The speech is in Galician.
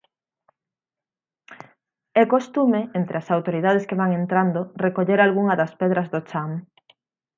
É costume entre as autoridades que van entrando recoller algunha das pedras do chan.